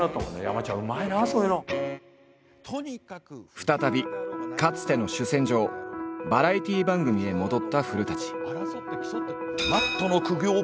再びかつての主戦場バラエティー番組へ戻った古。